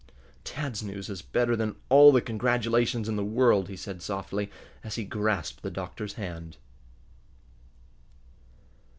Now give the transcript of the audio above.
"Dad's news is better than all the congratulations in the world," he said softly, as he grasped the doctor's hand.